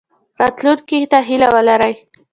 راتلونکي ته هیله ولرئ